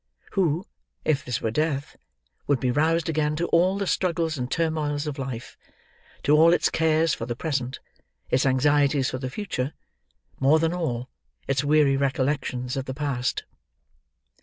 Who, if this were death, would be roused again to all the struggles and turmoils of life; to all its cares for the present; its anxieties for the future; more than all, its weary recollections of the past!